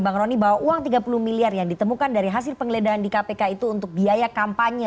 bang roni bahwa uang tiga puluh miliar yang ditemukan dari hasil penggeledahan di kpk itu untuk biaya kampanye